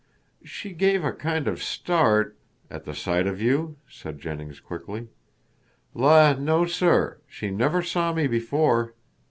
"She gave a kind of start " "At the sight of you," said Jennings quickly. "La, no, sir. She never saw me before."